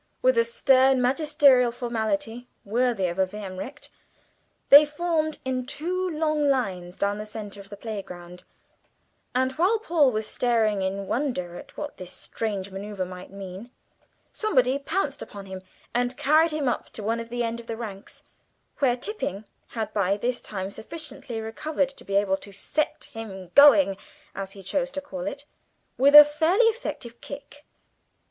With a stern magisterial formality worthy of a Vehm Gericht, they formed in two long lines down the centre of the playground; and while Paul was still staring in wonder at what this strange manoeuvre might mean, somebody pounced upon him and carried him up to one end of the ranks, where Tipping had by this time sufficiently recovered to be able to "set him going," as he chose to call it, with a fairly effective kick.